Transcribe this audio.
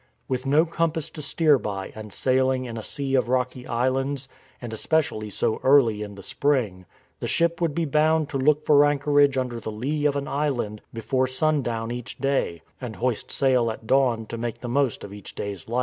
With no compass to steer by and sailing in a sea of rocky islands, and especially so early in the spring,^ the ship would be bound to look for anchorage under the lee of an island before sundown each day, and hoist sail at dawn to make the most of each day's light.